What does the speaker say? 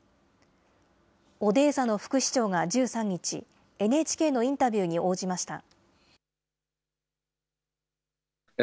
オデーサの副市長が１３日、ＮＨＫのインタビューに応じました。